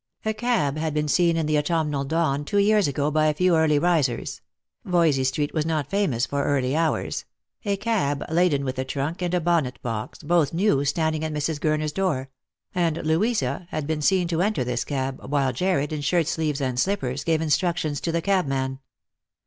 A cab had been seen in the autumnal dawn, two years ago, by a few early risers — Voysey street was not famous for early hours — a cab laden with a trunk and a bonnet box, both new, standing at Mrs. Gurner'a door ; and Louisa had been seen to enter this cab, while Jarred, in shirt sleeves and slippers, gave instructions to the cabman.